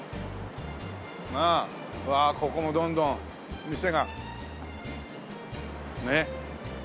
わあここもどんどん店が。ねえ。